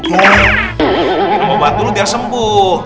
mau obat dulu biar sembuh